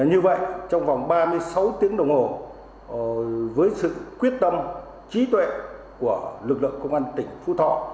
như vậy trong vòng ba mươi sáu tiếng đồng hồ với sự quyết tâm trí tuệ của lực lượng công an tỉnh phú thọ